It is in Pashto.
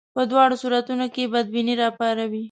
په دواړو صورتونو کې بدبیني راپاروي.